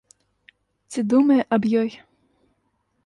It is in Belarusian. Ці думае аб ёй?